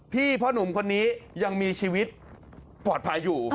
พ่อหนุ่มคนนี้ยังมีชีวิตปลอดภัยอยู่